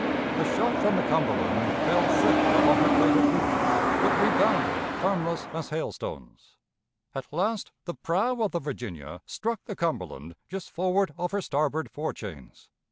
The shot from the Cumberland fell thick upon her plated roof, but rebounded harmless as hailstones. At last the prow of the Virginia struck the Cumberland just forward of her starboard fore chains.